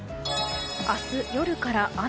明日夜から雨。